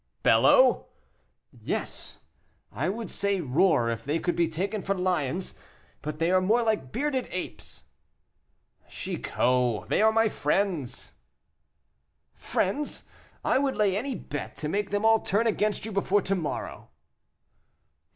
"Bellow!" "Yes; I would say, roar, if they could be taken for lions, but they are more like bearded apes." "Chicot, they are my friends." "Friends! I would lay any bet to make them all turn against you before to morrow."